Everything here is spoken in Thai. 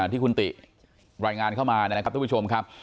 ที่คุณติรายงานเข้ามานะครับทุกผู้ชมครับ